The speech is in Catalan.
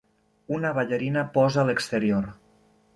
Una ballarina posa a l'exterior.